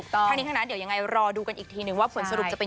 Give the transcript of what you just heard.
ทางนี้ทางนั้นเดี๋ยวยังไงรอดูกันอีกทีหนึ่งว่าเหมือนสรุปจะเป็นยังไง